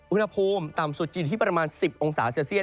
อุณหภูมิต่ำสุดจะอยู่ที่ประมาณ๑๐องศาเซลเซียต